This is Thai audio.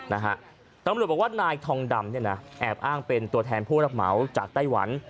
ตามบริโภคว่านายทองดำแอบอ้างเป็นตัวแทนผู้รับเหมาจากไต้หวัน